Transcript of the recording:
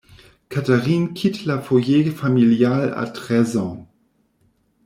Catherine quitte le foyer familial à treize ans.